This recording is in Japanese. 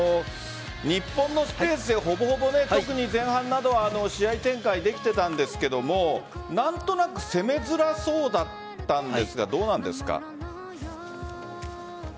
日本のスペースで、ほぼほぼ特に前半などは試合展開できていたんですが何となく攻めづらそうだったんですがどうなんですか？